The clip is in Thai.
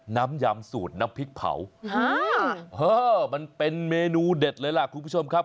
ยำสูตรน้ำพริกเผามันเป็นเมนูเด็ดเลยล่ะคุณผู้ชมครับ